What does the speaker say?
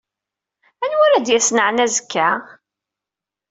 Anwa ara d-yasen ɛni azekka?